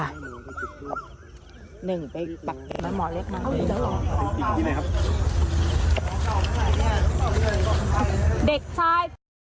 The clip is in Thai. หนึ่งเด็กแม่หมอเล็กน้องเด็กชาย